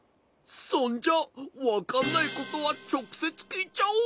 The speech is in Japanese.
そんじゃわかんないことはちょくせつきいちゃおう！